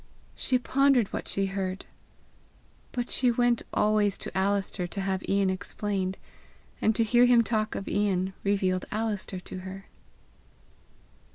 She pondered what she heard. But she went always to Alister to have Ian explained; and to hear him talk of Ian, revealed Alister to her.